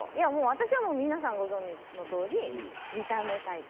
私はもう皆さんご存じのとおり見た目タイプ。